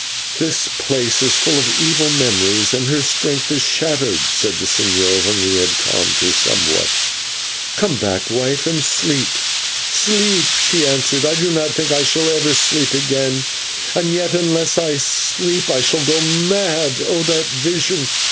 "This place is full of evil memories, and her strength is shattered," said the señor, when we had calmed her somewhat. "Come back, wife, and sleep." "Sleep!" she answered. "I do not think that I shall ever sleep again; and yet, unless I sleep, I shall go mad. Oh! that vision!